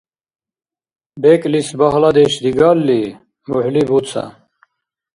БекӀлис багьладеш дигалли, мухӀли буца.